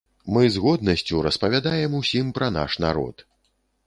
Мы з годнасцю распавядаем усім пра наш народ!